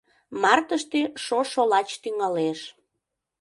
Мартыште шошо лач тӱҥалеш.